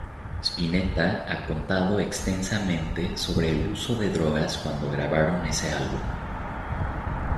Spinetta ha contado extensamente sobre el uso de drogas cuando grabaron ese álbum.